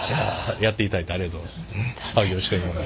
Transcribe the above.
やっていただいてありがとうございます。